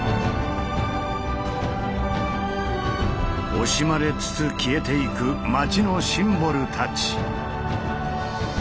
惜しまれつつ消えていく街のシンボルたち。